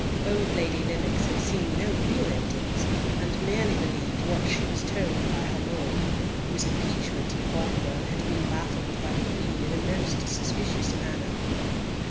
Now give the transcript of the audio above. Old Lady Lennox had seen no real evidence, and merely believed what she was told by her lord, whose impeachment of Bothwell had been baffled by the Queen in a most suspicious manner.